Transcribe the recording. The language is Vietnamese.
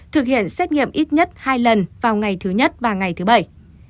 thực hiện xét nghiệm ít nhất hai lần vào ngày thứ nhất và ngày thứ bảy